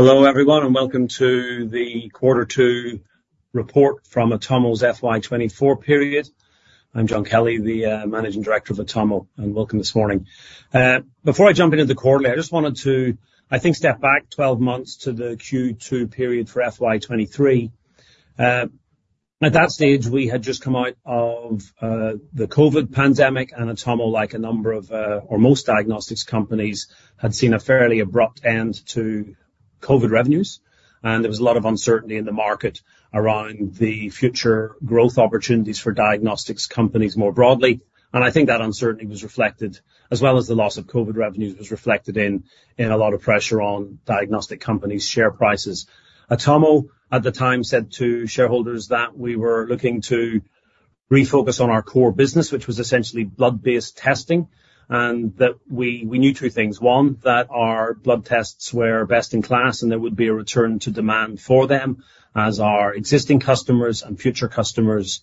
Hello, everyone, and welcome to the Quarter Two report from Atomo's FY 2024 period. I'm John Kelly, the Managing Director of Atomo, and welcome this morning. Before I jump into the quarterly, I just wanted to, I think, step back 12 months to the Q2 period for FY 2023. At that stage, we had just come out of the COVID pandemic, and Atomo, like a number of or most diagnostics companies, had seen a fairly abrupt end to COVID revenues, and there was a lot of uncertainty in the market around the future growth opportunities for diagnostics companies more broadly. And I think that uncertainty was reflected, as well as the loss of COVID revenues, was reflected in a lot of pressure on diagnostic companies' share prices. Atomo, at the time, said to shareholders that we were looking to refocus on our core business, which was essentially blood-based testing, and that we knew two things. One, that our blood tests were best in class and there would be a return to demand for them as our existing customers and future customers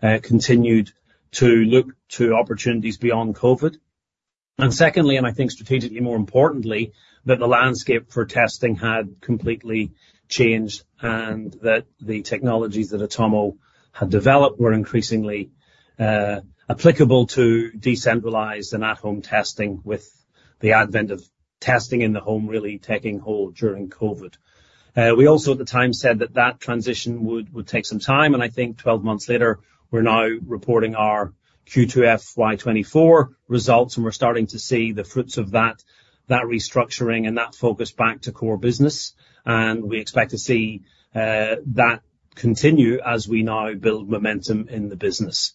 continued to look to opportunities beyond COVID. And secondly, and I think strategically more importantly, that the landscape for testing had completely changed, and that the technologies that Atomo had developed were increasingly applicable to decentralized and at-home testing, with the advent of testing in the home really taking hold during COVID. We also at the time said that that transition would take some time, and I think 12 months later, we're now reporting our Q2 FY 2024 results, and we're starting to see the fruits of that restructuring and that focus back to core business. We expect to see that continue as we now build momentum in the business.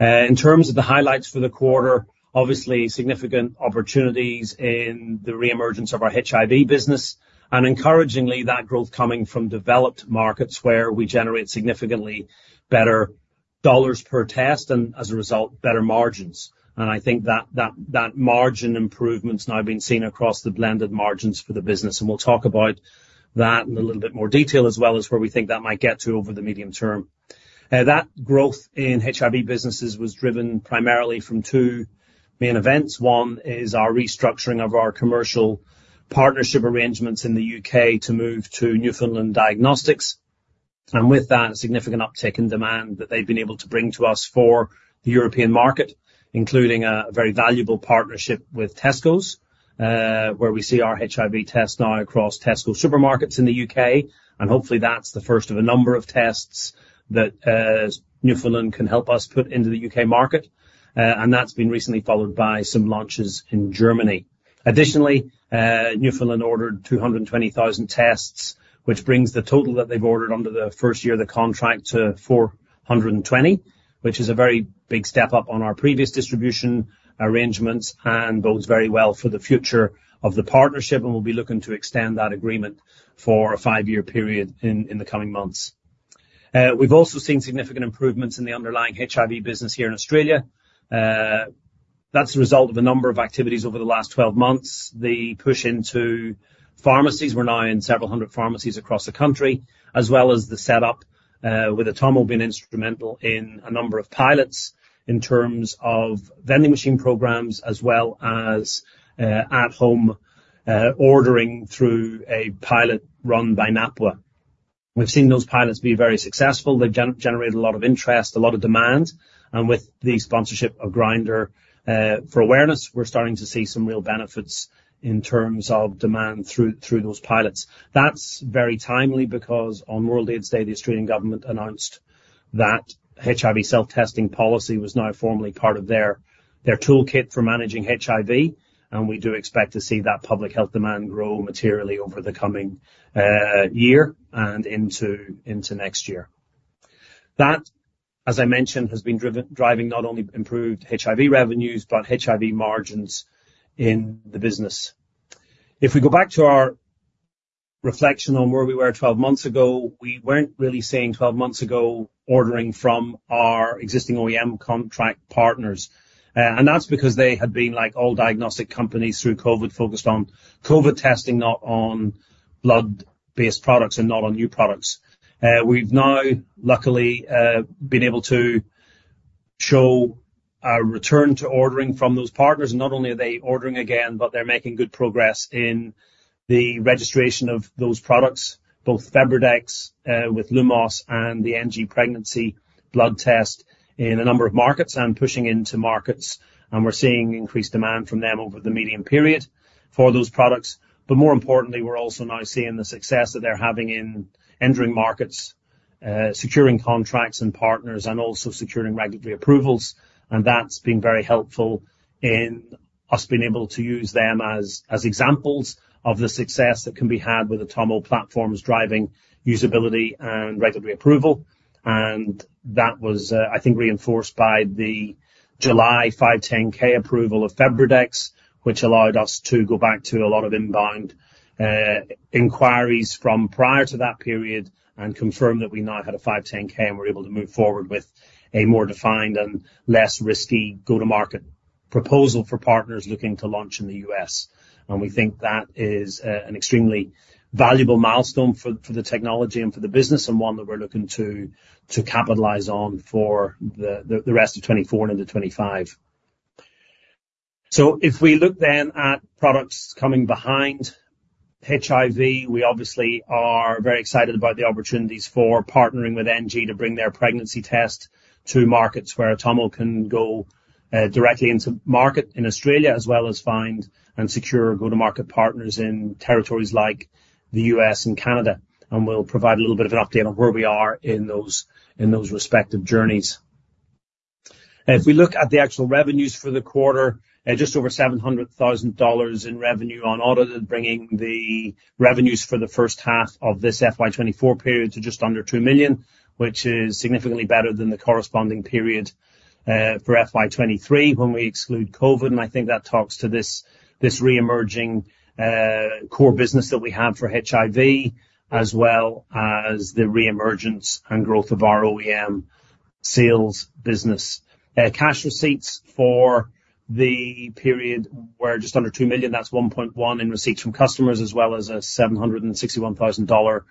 In terms of the highlights for the quarter, obviously, significant opportunities in the reemergence of our HIV business, and encouragingly, that growth coming from developed markets where we generate significantly better dollars per test, and as a result, better margins. I think that margin improvement's now been seen across the blended margins for the business, and we'll talk about that in a little bit more detail, as well as where we think that might get to over the medium term. That growth in HIV businesses was driven primarily from two main events. One is our restructuring of our commercial partnership arrangements in the U.K. to move to Newfoundland Diagnostics, and with that, a significant uptick in demand that they've been able to bring to us for the European market, including a very valuable partnership with Tesco's, where we see our HIV test now across Tesco supermarkets in the U.K. And hopefully, that's the first of a number of tests that, Newfoundland can help us put into the U.K. market. And that's been recently followed by some launches in Germany. Additionally, Newfoundland ordered 220,000 tests, which brings the total that they've ordered under the first year of the contract to 420,000, which is a very big step up on our previous distribution arrangements and bodes very well for the future of the partnership, and we'll be looking to extend that agreement for a five-year period in the coming months. We've also seen significant improvements in the underlying HIV business here in Australia. That's a result of a number of activities over the last 12 months. The push into pharmacies, we're now in several hundred pharmacies across the country, as well as the setup with Atomo being instrumental in a number of pilots in terms of vending machine programs, as well as at-home ordering through a pilot run by NAPWHA. We've seen those pilots be very successful. They've generated a lot of interest, a lot of demand, and with the sponsorship of Grindr for awareness, we're starting to see some real benefits in terms of demand through those pilots. That's very timely because on World AIDS Day, the Australian government announced that HIV self-testing policy was now formally part of their toolkit for managing HIV, and we do expect to see that public health demand grow materially over the coming year and into next year. That, as I mentioned, has been driving not only improved HIV revenues, but HIV margins in the business. If we go back to our reflection on where we were 12 months ago, we weren't really seeing 12 months ago, ordering from our existing OEM contract partners. That's because they had been, like all diagnostic companies through COVID, focused on COVID testing, not on blood-based products and not on new products. We've now, luckily, been able to show a return to ordering from those partners. Not only are they ordering again, but they're making good progress in the registration of those products, both FebriDx, with Lumos and the NG Pregnancy blood test in a number of markets and pushing into markets, and we're seeing increased demand from them over the medium period for those products. But more importantly, we're also now seeing the success that they're having in entering markets, securing contracts and partners, and also securing regulatory approvals. That's been very helpful in us being able to use them as, as examples of the success that can be had with Atomo platforms driving usability and regulatory approval. That was, I think, reinforced by the July 510(k) approval of FebriDx, which allowed us to go back to a lot of inbound inquiries from prior to that period and confirm that we now had a 510(k) and we're able to move forward with a more defined and less risky go-to-market proposal for partners looking to launch in the U.S. We think that is an extremely valuable milestone for the technology and for the business, and one that we're looking to capitalize on for the rest of 2024 into 2025. So if we look then at products coming behind HIV, we obviously are very excited about the opportunities for partnering with NG to bring their pregnancy test to markets where Atomo can go directly into market in Australia, as well as find and secure go-to-market partners in territories like the U.S. and Canada. And we'll provide a little bit of an update on where we are in those, in those respective journeys. If we look at the actual revenues for the quarter, at just over 700,000 dollars in revenue unaudited, bringing the revenues for the first half of this FY 2024 period to just under 2 million, which is significantly better than the corresponding period for FY 2023, when we exclude COVID. And I think that talks to this, this reemerging, core business that we have for HIV, as well as the reemergence and growth of our OEM sales business. Cash receipts for the period were just under 2 million. That's 1.1 million in receipts from customers, as well as an 761,000 dollar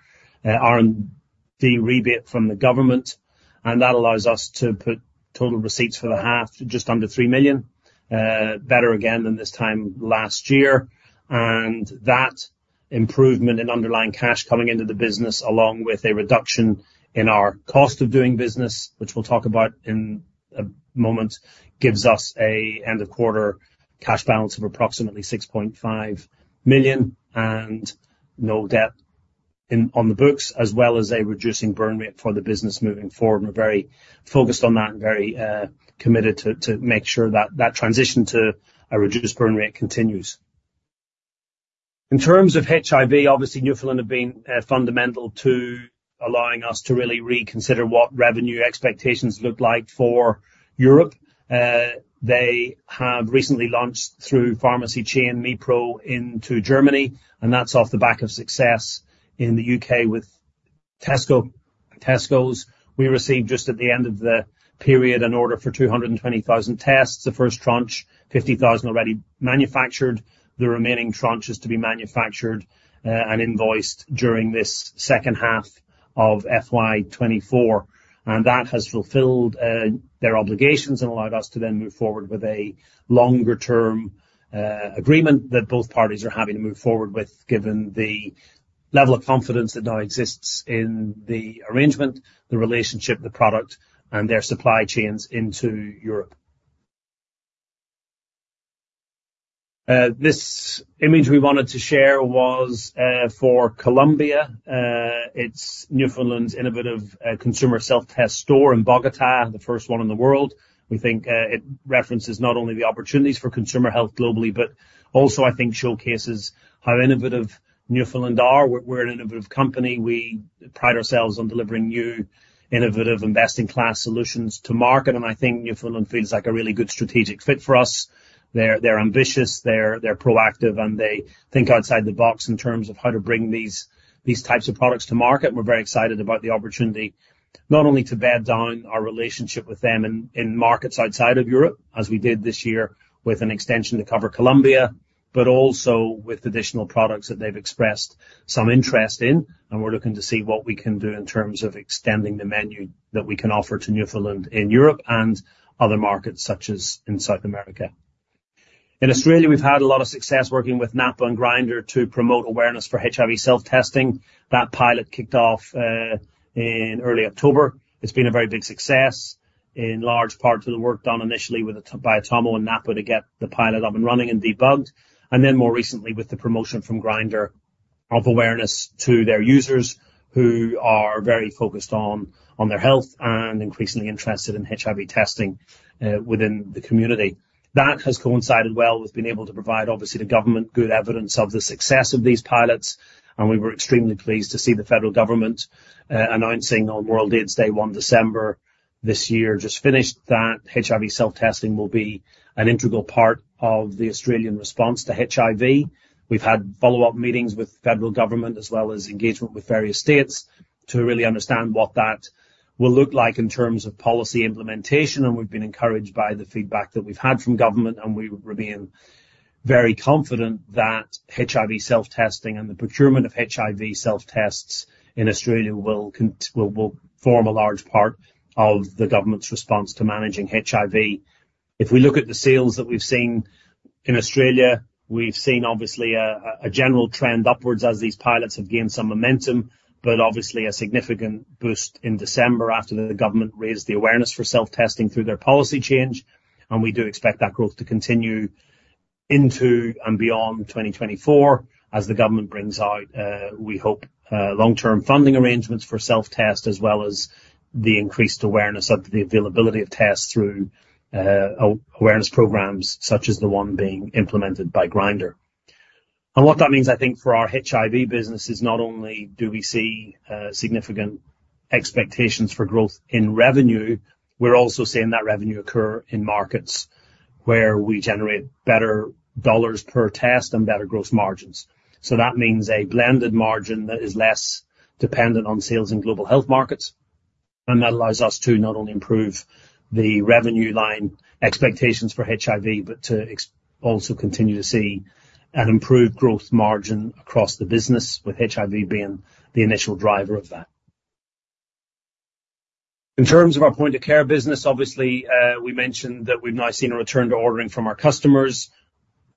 R&D rebate from the government, and that allows us to put total receipts for the half to just under 3 million. Better again than this time last year. And that improvement in underlying cash coming into the business, along with a reduction in our cost of doing business, which we'll talk about in a moment, gives us an end-of-quarter cash balance of approximately 6.5 million and no debt on the books, as well as a reducing burn rate for the business moving forward. We're very focused on that and very, committed to, to make sure that that transition to a reduced burn rate continues. In terms of HIV, obviously, Newfoundland have been, fundamental to allowing us to really reconsider what revenue expectations look like for Europe. They have recently launched through pharmacy chain, MePro, into Germany, and that's off the back of success in the U.K. with Tesco, Tescos. We received just at the end of the period, an order for 220,000 tests. The first tranche, 50,000, already manufactured. The remaining tranches to be manufactured, and invoiced during this second half of FY 2024. That has fulfilled their obligations and allowed us to then move forward with a longer-term agreement that both parties are happy to move forward with, given the level of confidence that now exists in the arrangement, the relationship, the product, and their supply chains into Europe. This image we wanted to share was for Colombia. It's Newfoundland's innovative consumer self-test store in Bogota, the first one in the world. We think it references not only the opportunities for consumer health globally, but also, I think, showcases how innovative Newfoundland are. We're an innovative company. We pride ourselves on delivering new, innovative, and best-in-class solutions to market, and I think Newfoundland feels like a really good strategic fit for us. They're ambitious, they're proactive, and they think outside the box in terms of how to bring these types of products to market. We're very excited about the opportunity, not only to bear down our relationship with them in markets outside of Europe, as we did this year with an extension to cover Colombia, but also with additional products that they've expressed some interest in. And we're looking to see what we can do in terms of extending the menu that we can offer to Newfoundland in Europe and other markets, such as in South America. In Australia, we've had a lot of success working with NAPWHA and Grindr to promote awareness for HIV self-testing. That pilot kicked off in early October. It's been a very big success in large part to the work done initially by Atomo and NAPWHA to get the pilot up and running and debugged. And then, more recently, with the promotion from Grindr of awareness to their users who are very focused on their health and increasingly interested in HIV testing within the community. That has coincided well with being able to provide, obviously, the government good evidence of the success of these pilots, and we were extremely pleased to see the federal government announcing on World AIDS Day, December 1st, this year, just finished, that HIV self-testing will be an integral part of the Australian response to HIV. We've had follow-up meetings with the federal government, as well as engagement with various states, to really understand what that will look like in terms of policy implementation. We've been encouraged by the feedback that we've had from government, and we remain very confident that HIV self-testing and the procurement of HIV self-tests in Australia will form a large part of the government's response to managing HIV. If we look at the sales that we've seen in Australia, we've seen obviously a general trend upwards as these pilots have gained some momentum, but obviously a significant boost in December after the government raised the awareness for self-testing through their policy change. We do expect that growth to continue into and beyond 2024 as the government brings out, we hope, long-term funding arrangements for self-test, as well as the increased awareness of the availability of tests through awareness programs, such as the one being implemented by Grindr. What that means, I think, for our HIV business, is not only do we see significant expectations for growth in revenue, we're also seeing that revenue occur in markets where we generate better dollars per test and better gross margins. So that means a blended margin that is less dependent on sales in global health markets, and that allows us to not only improve the revenue line expectations for HIV, but to ex- also continue to see an improved gross margin across the business, with HIV being the initial driver of that. In terms of our point of care business, obviously, we mentioned that we've now seen a return to ordering from our customers.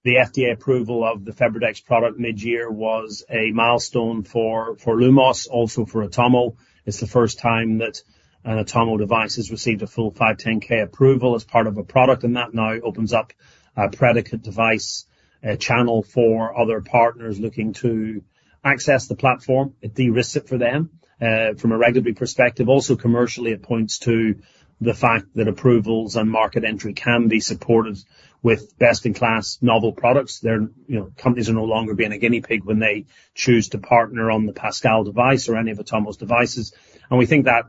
The FDA approval of the FebriDx product mid-year was a milestone for Lumos, also for Atomo. It's the first time that an Atomo device has received a full 510(k) approval as part of a product, and that now opens up a predicate device, a channel for other partners looking to access the platform. It de-risks it for them from a regulatory perspective. Also, commercially, it points to the fact that approvals and market entry can be supported with best-in-class novel products. They're, you know, companies are no longer being a guinea pig when they choose to partner on the Pascal device or any of Atomo's devices. And we think that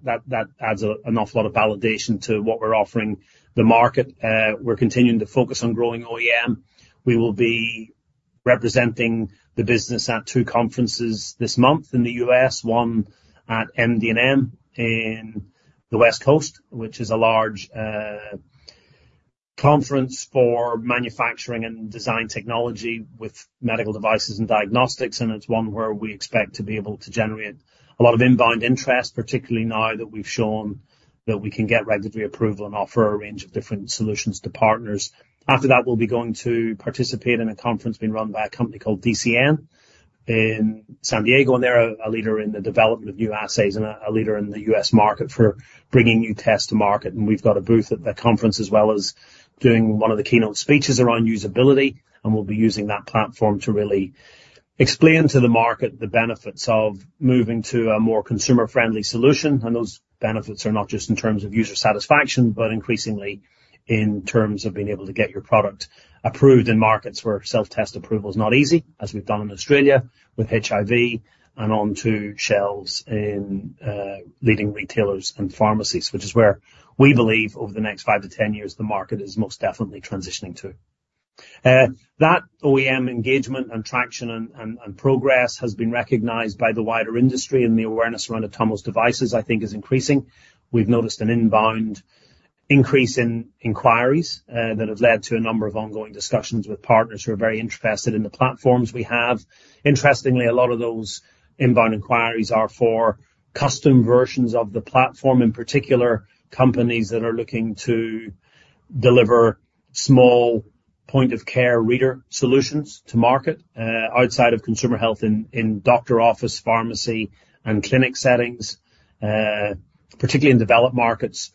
adds an awful lot of validation to what we're offering the market. We're continuing to focus on growing OEM. We will be representing the business at two conferences this month in the U.S., one at MD&M West on the West Coast, which is a large conference for manufacturing and design technology with medical devices and diagnostics. And it's one where we expect to be able to generate a lot of inbound interest, particularly now that we've shown that we can get regulatory approval and offer a range of different solutions to partners. After that, we'll be going to participate in a conference being run by a company called DCN in San Diego, and they're a leader in the development of new assays and a leader in the U.S. market for bringing new tests to market. We've got a booth at the conference, as well as doing one of the keynote speeches around usability, and we'll be using that platform to really explain to the market the benefits of moving to a more consumer-friendly solution. Those benefits are not just in terms of user satisfaction, but increasingly in terms of being able to get your product approved in markets where self-test approval is not easy, as we've done in Australia with HIV and onto shelves in leading retailers and pharmacies, which is where we believe over the next 5-10 years, the market is most definitely transitioning to. That OEM engagement and traction and progress has been recognized by the wider industry, and the awareness around Atomo's devices, I think, is increasing. We've noticed an inbound increase in inquiries that have led to a number of ongoing discussions with partners who are very interested in the platforms we have. Interestingly, a lot of those inbound inquiries are for custom versions of the platform, in particular, companies that are looking to deliver small point-of-care reader solutions to market outside of consumer health in doctor office, pharmacy, and clinic settings, particularly in developed markets.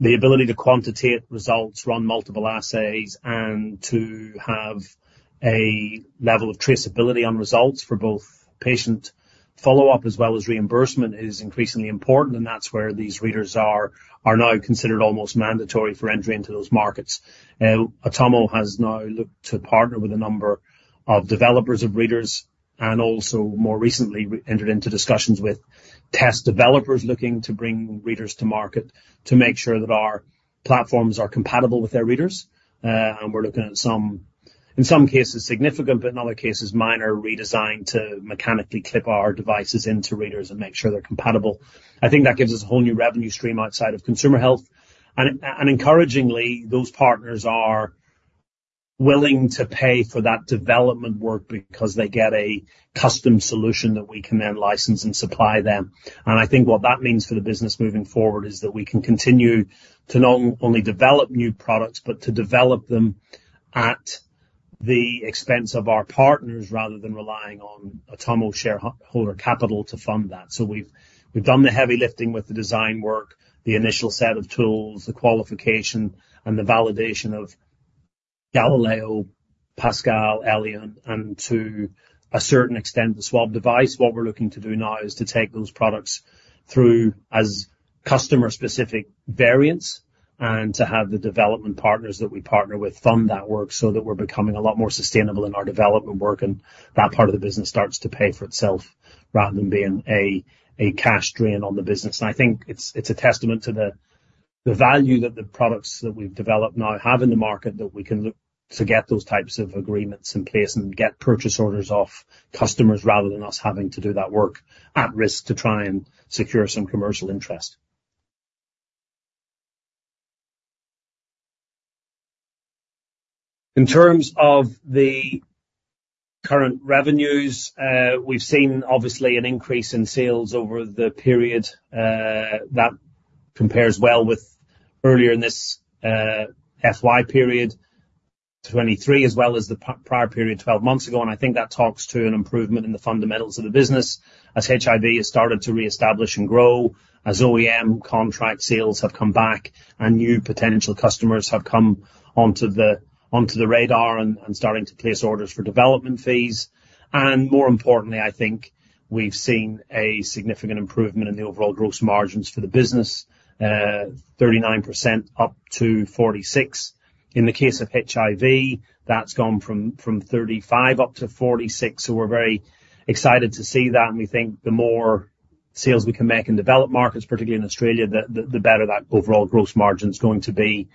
The ability to quantitate results, run multiple assays, and to have a level of traceability on results for both patient follow-up as well as reimbursement is increasingly important, and that's where these readers are now considered almost mandatory for entry into those markets. Atomo has now looked to partner with a number of developers of readers and also, more recently, we entered into discussions with test developers looking to bring readers to market to make sure that our platforms are compatible with their readers. And we're looking at some, in some cases significant, but in other cases minor, redesign to mechanically clip our devices into readers and make sure they're compatible. I think that gives us a whole new revenue stream outside of consumer health. And encouragingly, those partners are willing to pay for that development work because they get a custom solution that we can then license and supply them. I think what that means for the business moving forward is that we can continue to not only develop new products, but to develop them at the expense of our partners, rather than relying on Atomo shareholder capital to fund that. So we've done the heavy lifting with the design work, the initial set of tools, the qualification, and the validation of Galileo, Pascal, Elion, and to a certain extent, the swab device. What we're looking to do now is to take those products through as customer-specific variants and to have the development partners that we partner with fund that work so that we're becoming a lot more sustainable in our development work, and that part of the business starts to pay for itself rather than being a cash drain on the business. I think it's a testament to the value that the products that we've developed now have in the market, that we can look to get those types of agreements in place and get purchase orders off customers, rather than us having to do that work at risk to try and secure some commercial interest. In terms of the current revenues, we've seen obviously an increase in sales over the period, that compares well with earlier in this FY period, 2023, as well as the prior period, 12 months ago. I think that talks to an improvement in the fundamentals of the business as HIV has started to reestablish and grow, as OEM contract sales have come back and new potential customers have come onto the radar and starting to place orders for development fees. More importantly, I think we've seen a significant improvement in the overall gross margins for the business, 39%-46%. In the case of HIV, that's gone from 35%-46%. So we're very excited to see that, and we think the more sales we can make in developed markets, particularly in Australia, the better that overall gross margin is going to be.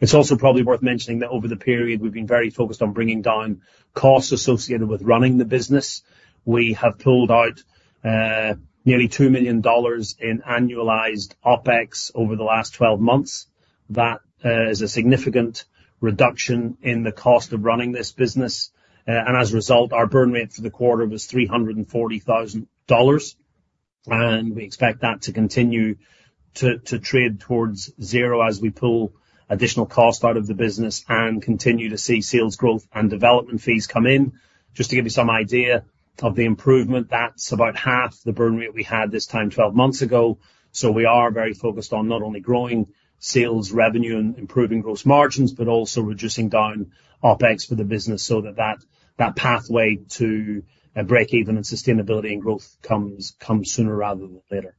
It's also probably worth mentioning that over the period we've been very focused on bringing down costs associated with running the business. We have pulled out nearly 2 million dollars in annualized OpEx over the last 12 months... That is a significant reduction in the cost of running this business. And as a result, our burn rate for the quarter was 340,000 dollars, and we expect that to continue to trade towards zero as we pull additional cost out of the business and continue to see sales growth and development fees come in. Just to give you some idea of the improvement, that's about half the burn rate we had this time 12 months ago. So we are very focused on not only growing sales revenue and improving gross margins, but also reducing down OpEx for the business so that pathway to a break even and sustainability and growth come sooner rather than later.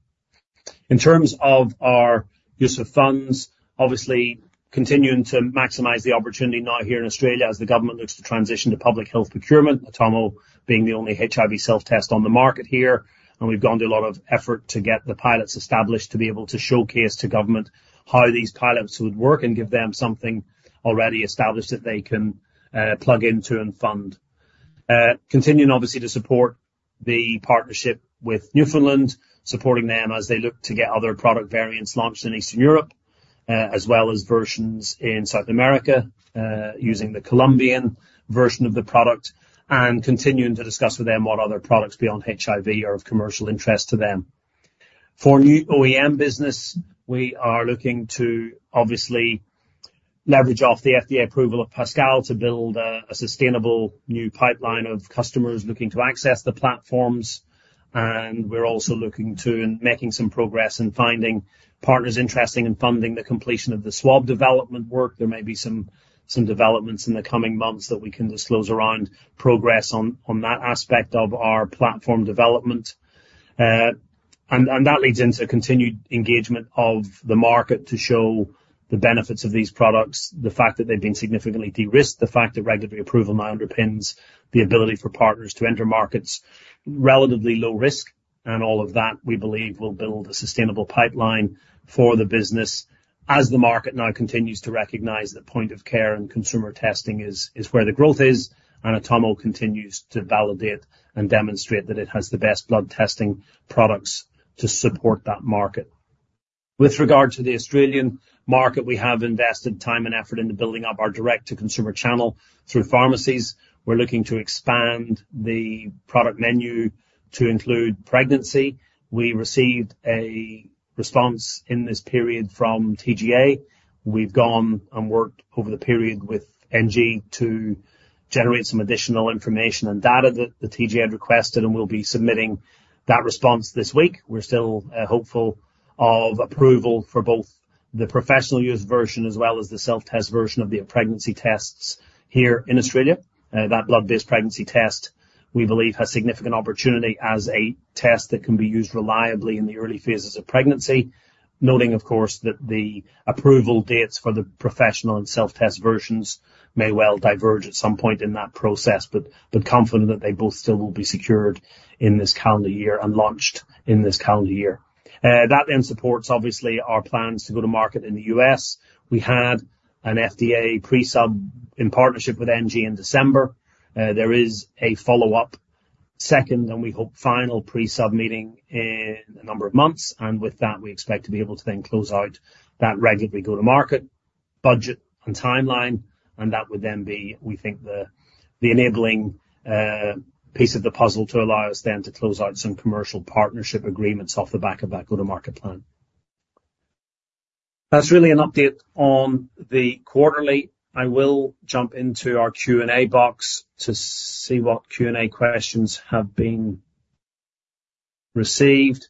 In terms of our use of funds, obviously continuing to maximize the opportunity now here in Australia as the government looks to transition to public health procurement, Atomo being the only HIV self-test on the market here, and we've gone to a lot of effort to get the pilots established to be able to showcase to government how these pilots would work and give them something already established that they can plug into and fund. Continuing, obviously, to support the partnership with Newfoundland, supporting them as they look to get other product variants launched in Eastern Europe, as well as versions in South America, using the Colombian version of the product, and continuing to discuss with them what other products beyond HIV are of commercial interest to them. For new OEM business, we are looking to obviously leverage off the FDA approval of Pascal to build a sustainable new pipeline of customers looking to access the platforms, and we're also looking to and making some progress in finding partners interested in funding the completion of the swab development work. There may be some developments in the coming months that we can disclose around progress on that aspect of our platform development. And that leads into a continued engagement of the market to show the benefits of these products, the fact that they've been significantly de-risked, the fact that regulatory approval now underpins the ability for partners to enter markets, relatively low risk, and all of that, we believe, will build a sustainable pipeline for the business as the market now continues to recognize that point of care and consumer testing is where the growth is, and Atomo continues to validate and demonstrate that it has the best blood testing products to support that market. With regard to the Australian market, we have invested time and effort into building up our direct-to-consumer channel through pharmacies. We're looking to expand the product menu to include pregnancy. We received a response in this period from TGA. We've gone and worked over the period with NG to generate some additional information and data that the TGA had requested, and we'll be submitting that response this week. We're still hopeful of approval for both the professional use version as well as the self-test version of the pregnancy tests here in Australia. That blood-based pregnancy test, we believe, has significant opportunity as a test that can be used reliably in the early phases of pregnancy. Noting, of course, that the approval dates for the professional and self-test versions may well diverge at some point in that process, but, but confident that they both still will be secured in this calendar year and launched in this calendar year. That then supports, obviously, our plans to go to market in the US. We had an FDA pre-sub in partnership with NG in December. There is a follow-up, second, and we hope, final Pre-sub meeting in a number of months, and with that, we expect to be able to then close out that regulatory go-to-market budget and timeline, and that would then be, we think, the enabling piece of the puzzle to allow us then to close out some commercial partnership agreements off the back of that go-to-market plan. That's really an update on the quarterly. I will jump into our Q&A box to see what Q&A questions have been received.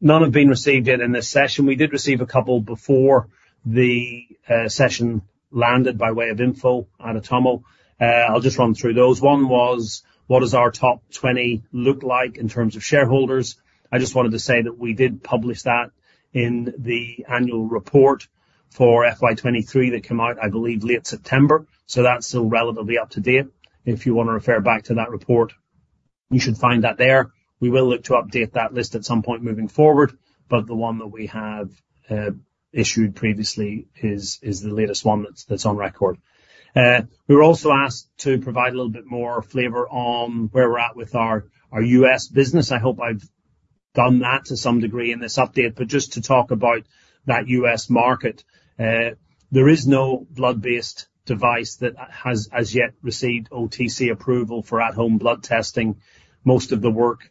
None have been received yet in this session. We did receive a couple before the session landed by way of info at Atomo. I'll just run through those. One was: What does our top 20 look like in terms of shareholders? I just wanted to say that we did publish that in the annual report for FY 2023, that came out, I believe, late September. So that's still relatively up-to-date. If you wanna refer back to that report, you should find that there. We will look to update that list at some point moving forward, but the one that we have issued previously is the latest one that's on record. We were also asked to provide a little bit more flavor on where we're at with our U.S. business. I hope I've done that to some degree in this update, but just to talk about that U.S. market, there is no blood-based device that has as yet received OTC approval for at-home blood testing. Most of the work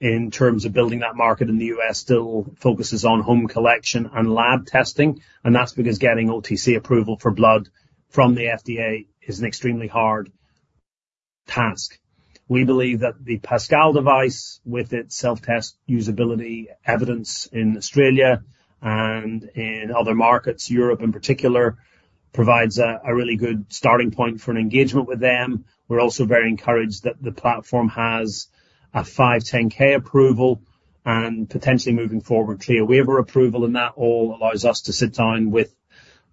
in terms of building that market in the U.S. still focuses on home collection and lab testing, and that's because getting OTC approval for blood from the FDA is an extremely hard task. We believe that the Pascal device, with its self-test usability evidence in Australia and in other markets, Europe in particular, provides a really good starting point for an engagement with them. We're also very encouraged that the platform has a 510(k) approval and potentially moving forward, CLIA waiver approval, and that all allows us to sit down with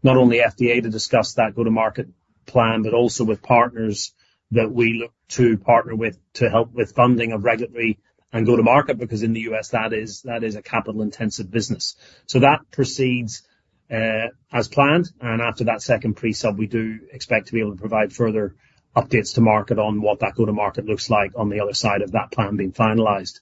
not only FDA to discuss that go-to-market plan, but also with partners that we look to partner with to help with funding of regulatory and go-to-market, because in the U.S., that is a capital-intensive business. So that proceeds, as planned, and after that second pre-sub, we do expect to be able to provide further updates to market on what that go-to-market looks like on the other side of that plan being finalized.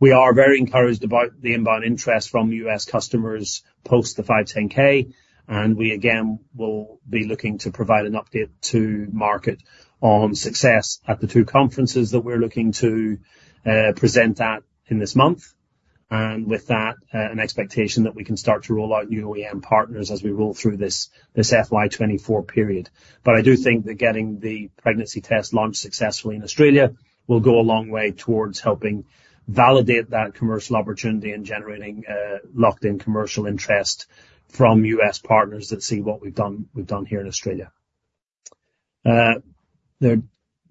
We are very encouraged about the inbound interest from U.S. customers post the 510(k), and we again, will be looking to provide an update to market on success at the two conferences that we're looking to, present at in this month. And with that, an expectation that we can start to roll out new OEM partners as we roll through this FY 2024 period. But I do think that getting the pregnancy test launched successfully in Australia will go a long way towards helping validate that commercial opportunity and generating, locked-in commercial interest from U.S. partners that see what we've done here in Australia. There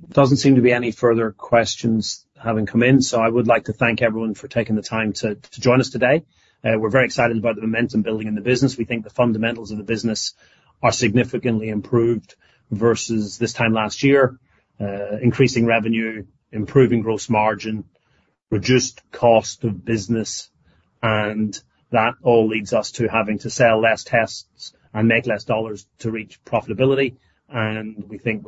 doesn't seem to be any further questions having come in, so I would like to thank everyone for taking the time to, to join us today. We're very excited about the momentum building in the business. We think the fundamentals of the business are significantly improved versus this time last year. Increasing revenue, improving gross margin, reduced cost of business, and that all leads us to having to sell less tests and make less dollars to reach profitability. And we think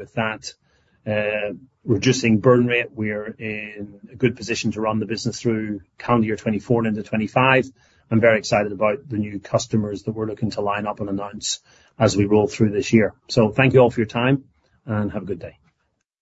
with that, reducing burn rate, we're in a good position to run the business through calendar year 2024 and into 2025. I'm very excited about the new customers that we're looking to line up and announce as we roll through this year. So thank you all for your time, and have a good day.